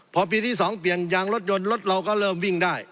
พอปีที่๒เปลี่ยนยางรถยนต์รถเราก็เริ่มวิ่งได้